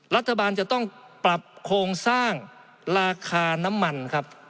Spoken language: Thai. รัฐบาลจะต้องปรับโครงสร้างราคาน้ำมันครับ